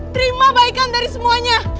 terima baikan dari semuanya